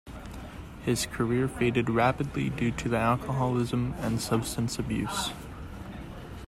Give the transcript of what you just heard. His career faded rapidly due to alcoholism and substance abuse.